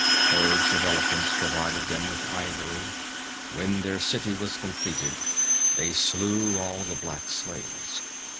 Herds of elephants provided them with ivory. When their city was completed, they slew all the black slaves.